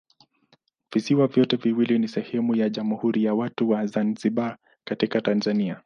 Visiwa vyote viwili ni sehemu za Jamhuri ya Watu wa Zanzibar katika Tanzania.